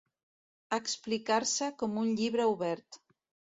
Explicar-se com un llibre obert.